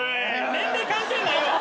年齢関係ないわ。